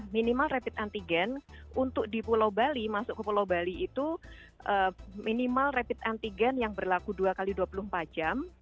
minimal rapid antigen untuk di pulau bali masuk ke pulau bali itu minimal rapid antigen yang berlaku dua x dua puluh empat jam